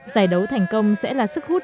giải đấu thành công sẽ là sức hút